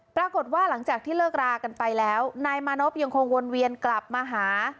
ปรากฏว่าหลังจากที่เลิกรากันไปแล้วนายมานพยังคงวนเวียนกลับมาหา